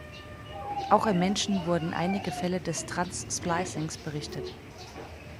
Auch im Menschen wurden einige Fälle des trans-Splicings berichtet.